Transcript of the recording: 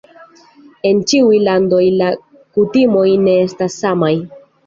En ĉiuj landoj la kutimoj ne estas samaj.